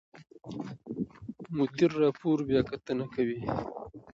مدیر راپور بیاکتنه کوي.